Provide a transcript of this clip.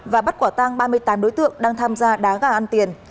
và bắt quả tang ba mươi tám đối tượng đang tham gia đá gà ăn tiền